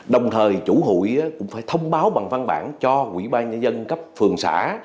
đồng thời chủ hụi cũng phải thông báo bằng văn bản cho quỹ ban nhân dân cấp phường xã